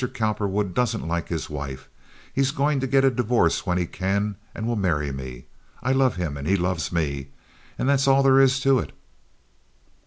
Cowperwood doesn't like his wife. He's going to get a divorce when he can, and will marry me. I love him, and he loves me, and that's all there is to it."